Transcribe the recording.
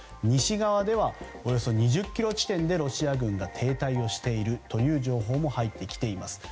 西側ではおよそ２０ｋｍ地点でロシア軍が停滞をしているという情報も入ってきています。